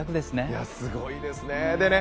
すごいですね。